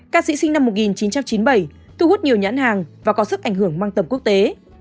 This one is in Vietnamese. ca sĩ sinh năm một nghìn chín trăm chín mươi bảy thu hút nhiều nhãn hàng và có sức ảnh hưởng mang tầm quốc tế